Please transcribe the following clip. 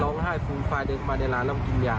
ร้องไห้ไฟเดินมาแล้วก็กินยา